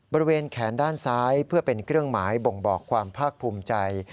บริเวณแขนด้านซ้ายเพื่อเป็นเครื่องหมายบ่งบอกความภาคภูมิใจ